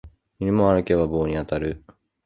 犬も歩けば棒に当たる